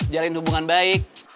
jalankan hubungan baik